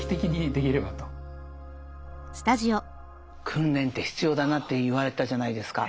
訓練って必要だなって言われたじゃないですか。